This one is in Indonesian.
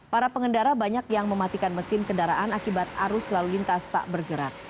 para pengendara banyak yang mematikan mesin kendaraan akibat arus lalu lintas tak bergerak